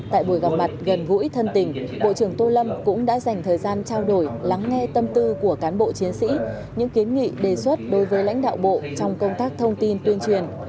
tại buổi gặp mặt gần gũi thân tình bộ trưởng tô lâm cũng đã dành thời gian trao đổi lắng nghe tâm tư của cán bộ chiến sĩ những kiến nghị đề xuất đối với lãnh đạo bộ trong công tác thông tin tuyên truyền